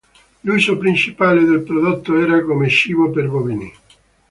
L'uso principale del prodotto era come cibo per bovini.